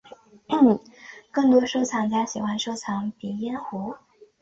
更多收藏家喜欢收藏鼻烟壶。